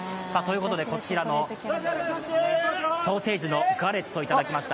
こちらのソーセージのガレットをいただきました。